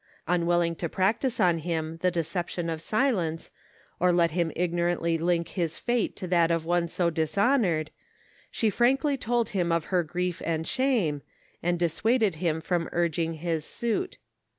Unwilling to practice en him the deception of silence, or let him ignorantly link his fate to that of one so dishonored, she frankly told him of her grief and shame, and dissuaded him from urging his suit.